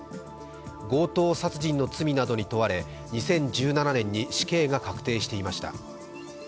強盗殺人の罪などに問われ、２０１７年に死刑が確定していました。